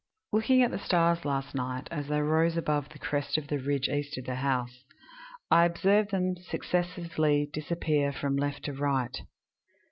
... "Sept 2. Looking at the stars last night as they rose above the crest of the ridge east of the house, I observed them successively disappear from left to right.